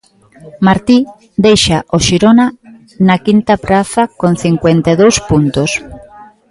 Martí deixa o Xirona na quinta praza con cincuenta e dous puntos.